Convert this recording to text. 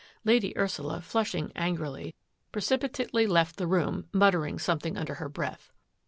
Lady Ursula, flushing angrily, precipitately left the room, muttering something under her breath.